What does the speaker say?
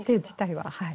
はい。